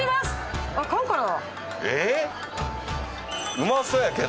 うまそうやけど。